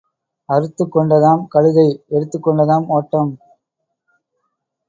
அறுத்துக் கொண்டதாம் கழுதை எடுத்துக் கொண்டதாம் ஓட்டம்.